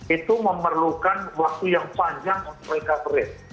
itu memerlukan waktu yang panjang untuk recovery